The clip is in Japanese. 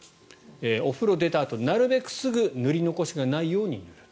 お風呂を出たあと、なるべくすぐ塗り残しが内容に塗ると。